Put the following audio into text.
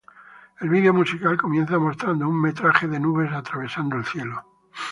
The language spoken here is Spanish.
El vídeo musical comienza mostrando un metraje de nubes atravesando el cielo.